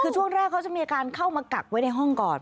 ช่วงแรกเค้าจะมีการเข้ามากัก้วยในห้องก่อน